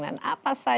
dan apa saja